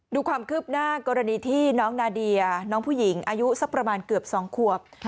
ดูความคืบหน้ากรณีที่น้องนาเดียน้องผู้หญิงอายุสักประมาณเกือบ๒ขวบ